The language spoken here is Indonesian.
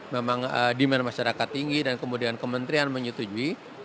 demand masyarakat tinggi dan kemudian kementrian menyetujui